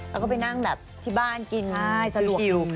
แล้วก็ไปนั่งแบบบ้านกินชิลล์